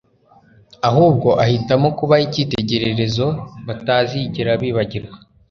ahubwo ahitamo kubaha icyitegererezo batazigera bibagirwa.